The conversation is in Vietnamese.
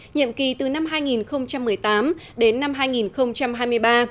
nhiệm kỳ từ năm hai nghìn một mươi tám đến năm hai nghìn hai mươi ba